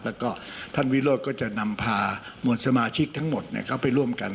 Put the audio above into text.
แล้วก็ท่านวิโรธก็จะนำพามวลสมาชิกทั้งหมดเข้าไปร่วมกัน